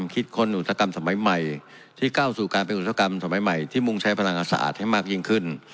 คิดค้นอุตสาหกรรมสมัยใหม่ที่ก้าวสู่การเป็นอุตสาหกรรมสมัยใหม่ที่มุ่งใช้พลังงานสะอาดให้มากยิ่งขึ้น